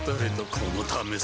このためさ